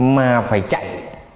mà phải chạy